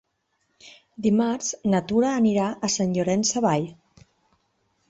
Dimarts na Tura anirà a Sant Llorenç Savall.